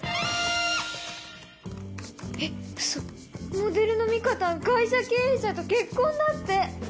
モデルのみかたん会社経営者と結婚だって！